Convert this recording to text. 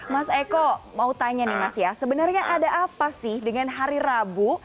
mas eko mau tanya nih mas ya sebenarnya ada apa sih dengan hari rabu